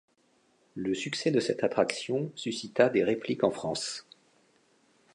Le succès de cette attraction suscita des répliques en France.